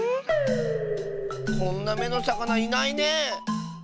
こんな「め」のさかないないねえ。